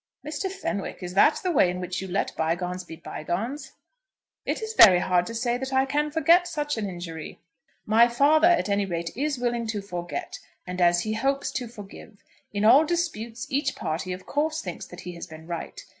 "Mr. Fenwick, is that the way in which you let bygones be bygones?" "It is very hard to say that I can forget such an injury." "My father, at any rate, is willing to forget, and, as he hopes, to forgive. In all disputes each party of course thinks that he has been right.